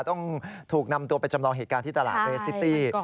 ต้องถูกนำตัวไปจำลองเหตุการณ์ที่ตลาดเรสซิตี้